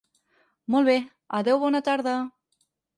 Molt bé, adeu bona tarda.